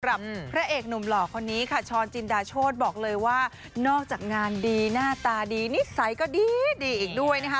พระเอกหนุ่มหล่อคนนี้ค่ะช้อนจินดาโชธบอกเลยว่านอกจากงานดีหน้าตาดีนิสัยก็ดีอีกด้วยนะคะ